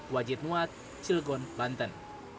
wajib muat cilgon banten